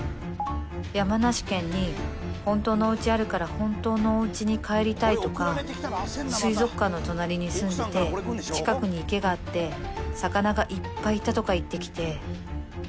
「山梨県に本当のお家あるから本当のおうちに帰りたいとか水族館の隣に住んでて近くに池があって魚がいっぱいいたとか言ってきて」。